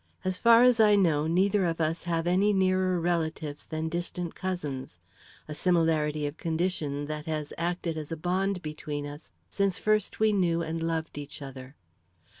As far as I know, neither of us have any nearer relatives than distant cousins; a similarity of condition that has acted as a bond between us since we first knew and loved each other.